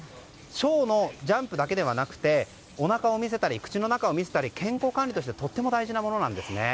ショーのジャンプだけではなくておなかを見せたり口の中を見せたり健康管理としてとても大事なものなんです。